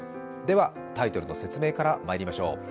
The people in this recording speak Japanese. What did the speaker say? ではタイトルの説明からいきましょう。